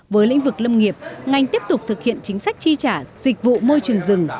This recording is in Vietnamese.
với lĩnh vực lâm nghiệp ngành tiếp tục thực hiện chính sách tri trả dịch vụ môi trường rừng